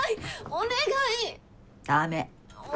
お願い。